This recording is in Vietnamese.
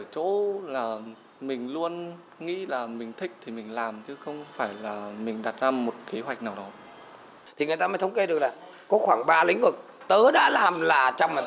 thì người ta mới thống kê được là có khoảng ba lĩnh vực tớ đã làm là một trăm linh